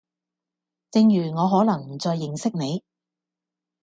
正如我可能唔再認識你